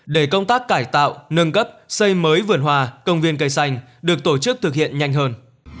để công tác cải tạo nâng cấp xây mới vườn hòa công viên cây xanh được tổ chức thực hiện nhanh hơn